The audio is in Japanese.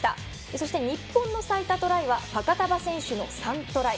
そして日本の最多トライはファカタヴァ選手の３トライ。